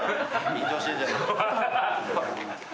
緊張してんじゃねえか。